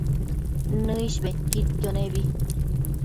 Nëish bedquidquio nebi